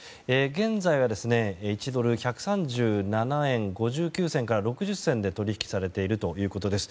現在は１ドル＝１３７円５９銭から６０銭で取引されているということです。